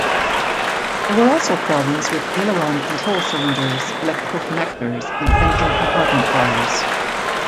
There were also problems with aileron control cylinders, electrical connectors, and engine compartment fires.